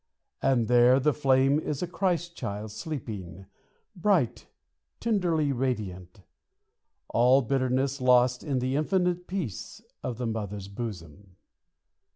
And there the flame is a Christ child sleeping, Bright, tenderly radiant; All bitterness lost in the infinite Peace of the mother's bosom.